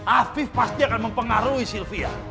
afif pasti akan mempengaruhi sylvia